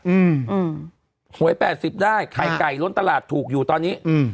อืมอืมหวยแปดสิบได้ไข่ไก่ล้นตลาดถูกอยู่ตอนนี้อืม